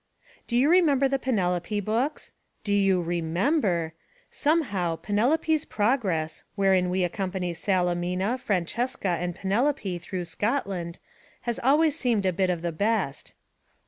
Do you remember the Penelope books? Do you remember! Somehow, Penelope's Progress, wherein we accompany Salemina, Francesca and Penelope through Scotland, has always seemed a bit the best.